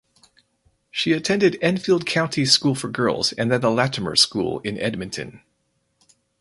She attended Enfield County School for Girls and then The Latymer School in Edmonton.